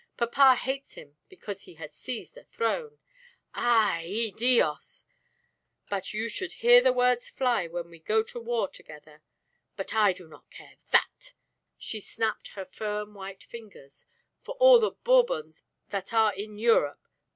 Papa hates him because he has seized a throne. AY YI! DIOS, but you should hear the words fly when we go to war together. But I do not care that" she snapped her firm white fingers "for all the Bourbons that are in Europe.